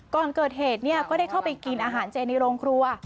ก่อนเกิดเหตุก็ได้เข้าไปกินอาหารเจในโรงครัว